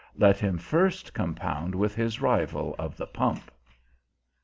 Let him first compound with his rival of the pump.